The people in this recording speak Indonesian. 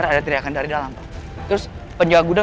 tante tenang aja insya allah